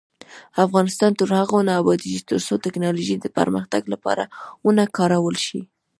افغانستان تر هغو نه ابادیږي، ترڅو ټیکنالوژي د پرمختګ لپاره ونه کارول شي.